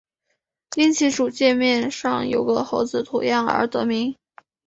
因其主界面上有个猴子图样而得名。